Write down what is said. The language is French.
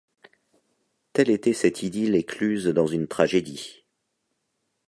Telle était cette idylle écluse dans une tragédie.